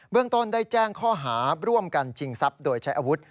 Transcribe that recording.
เรื่องต้นได้แจ้งข้อหาร่วมกันชิงทรัพย์โดยใช้อาวุธ